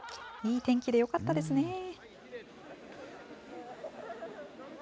いい天気でよかったですね。